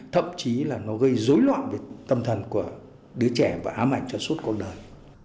thậm chí là nó gây dối loạn về tâm thần của đứa trẻ và ám ảnh cho suốt cuộc đời